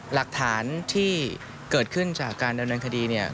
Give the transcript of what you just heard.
หลักฐานที่เกิดขึ้นจากการดำเนินคดีเนี่ย